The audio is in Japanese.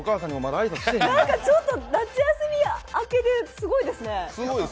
なんかちょっと夏休み明けですごいですね。